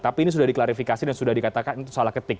tapi ini sudah diklarifikasi dan sudah dikatakan itu salah ketik